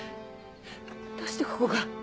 どうしてここが。